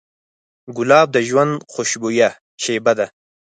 ګلاب د ژوند خوشبویه شیبه ده.